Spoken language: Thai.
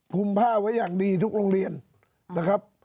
ผ้าไว้อย่างดีทุกโรงเรียนนะครับ